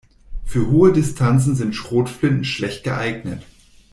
Für hohe Distanzen sind Schrotflinten schlecht geeignet.